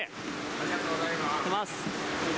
ありがとうございます。